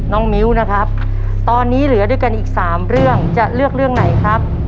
มิ้วนะครับตอนนี้เหลือด้วยกันอีก๓เรื่องจะเลือกเรื่องไหนครับ